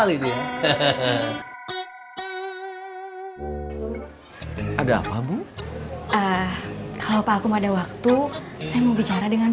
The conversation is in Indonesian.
kebetulan juga saya juga